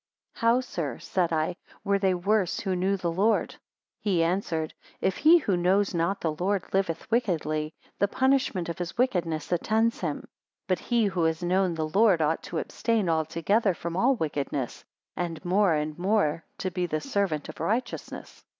170 How, air, said I, were they worse who knew the Lord? He answered: If he who knows not the Lord liveth wickedly, the punishment of his wickedness attends him; 171 But he who has known the Lord, ought to abstain altogether from all wickedness, and more and more to be the servant of righteousness.